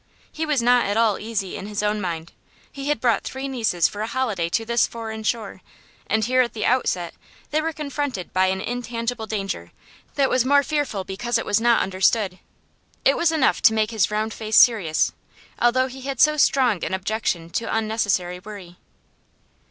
He was not at all easy in his own mind. He had brought three nieces for a holiday to this foreign shore, and here at the outset they were confronted by an intangible danger that was more fearful because it was not understood. It was enough to make his round face serious, although he had so strong an objection to unnecessary worry.